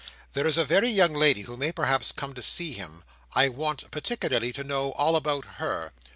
There is a very young lady who may perhaps come to see him. I want particularly to know all about her."